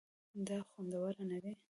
دا خوندور نه دي